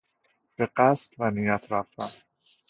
به قصد و نیت رفتن